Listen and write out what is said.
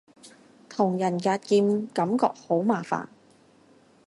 同人格劍感覺都好麻煩